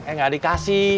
eh gak dikasih